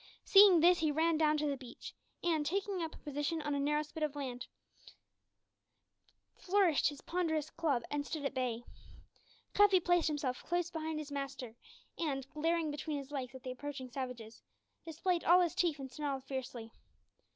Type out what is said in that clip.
Seeing this, he ran down to the beach, and, taking up a position on a narrow spit of sand, flourished his ponderous club and stood at bay. Cuffy placed himself close behind his master, and, glaring between his legs at the approaching savages, displayed all his teeth and snarled fiercely.